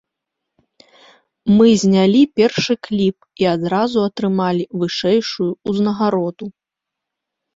Мы знялі першы кліп і адразу атрымалі вышэйшую ўзнагароду.